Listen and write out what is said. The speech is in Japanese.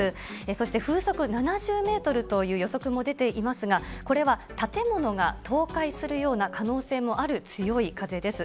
そして風速７０メートルという予測も出ていますが、これは建物が倒壊するような可能性もある強い風です。